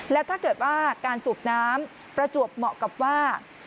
แล้วถ้าเกิดว่าการสูบน้ำประจวบเหมาะกับว่า